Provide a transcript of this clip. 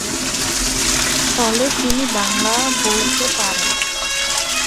ফলে তিনি বাংলা বলতে পারেন।